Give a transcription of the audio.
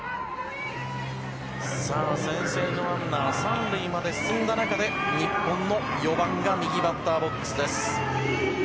先制のランナー３塁まで進んだところで日本の４番が右バッターボックス。